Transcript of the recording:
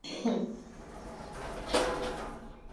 Callao y Av.